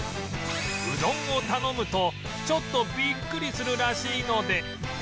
うどんを頼むとちょっとビックリするらしいので